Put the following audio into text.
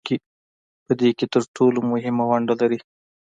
په دې کې تر ټولو مهمه ونډه لري